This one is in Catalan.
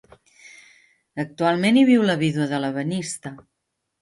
Actualment hi viu la vídua de l'ebenista.